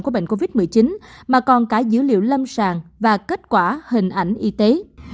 của bệnh covid một mươi chín mà còn cả dữ liệu lâm sàng và kết quả hình ảnh y tế